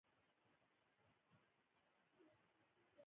انګلیسي له ساده جملو پیلېږي